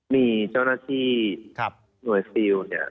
มีเจ้าหน้าที่หน่วยซิลเนี่ย